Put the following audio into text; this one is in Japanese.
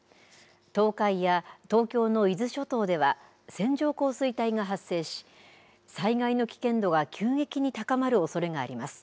東海や東京の伊豆諸島では、線状降水帯が発生し、災害の危険度が急激に高まるおそれがあります。